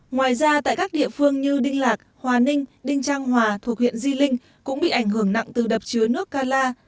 ngoài ra tại các địa phương như đinh lạc hòa ninh đinh trang hòa thuộc huyện di linh cũng bị ảnh hưởng nặng từ đập chứa nước cala